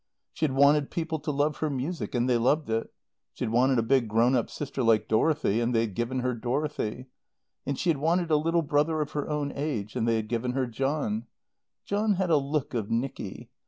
She had wanted people to love her music, and they loved it. She had wanted a big, grown up sister like Dorothy, and they had given her Dorothy; and she had wanted a little brother of her own age, and they had given her John. John had a look of Nicky.